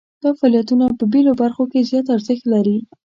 دا فعالیتونه په بیلو برخو کې زیات ارزښت لري.